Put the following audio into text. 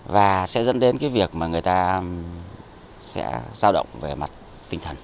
và sẽ dẫn đến cái việc mà người ta sẽ giao động về mặt tinh thần